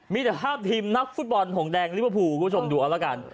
มีแต่ภาพทีมนักฟุตบอลห่งแดงลีเวอร์ฟูดูแล้วกัน